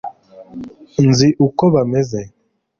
nzi uko bameze